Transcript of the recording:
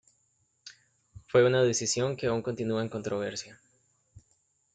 Fue una decisión que aún continúa en controversia.